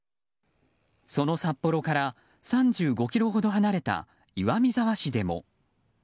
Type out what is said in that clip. その札幌から３５ｋｍほど離れた岩見沢市でも。